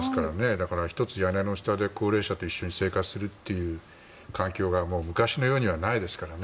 だから、１つ屋根の下で高齢者と生活をするという環境が昔のようにはないですからね。